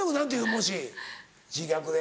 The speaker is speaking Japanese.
もし自虐で。